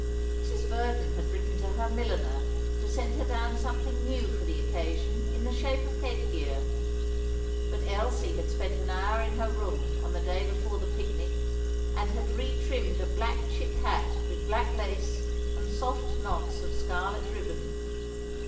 Mrs. Verdon had written to her milliner to send her down something new for the occasion in the shape of headgear. But Elsie had spent an hour in her room, on the day before the picnic, and had retrimmed a black chip hat with black lace and soft knots of scarlet ribbon.